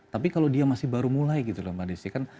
tapi kalau dia masih baru mulai gitu loh mbak desi kan